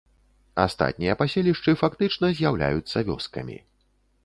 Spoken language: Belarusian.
Астатнія паселішчы фактычна з'яўляюцца вёскамі.